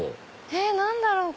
え何だろう？